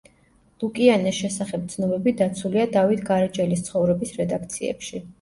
ლუკიანეს შესახებ ცნობები დაცულია „დავით გარეჯელის ცხოვრების“ რედაქციებში.